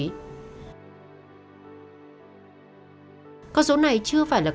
và những người đang chờ xét xử về các tội danh liên quan đến ma túy